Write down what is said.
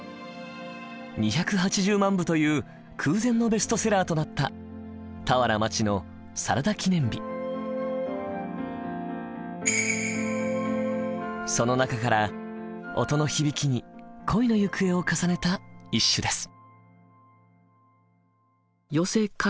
２８０万部という空前のベストセラーとなったその中から音の響きに「恋の行方」を重ねた一首です。